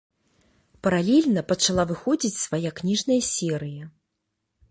Паралельна пачала выходзіць свая кніжная серыя.